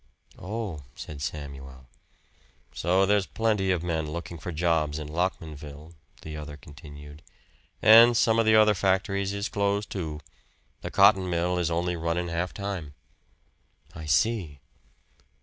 "Oh," said Samuel. "So there's plenty of men looking for jobs in Lockmanville,". the other continued, "an' some of the other factories is closed, too the cotton mill is only runnin' half time." "I see."